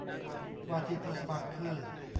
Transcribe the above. ว่าที่ผู้สมัครคือ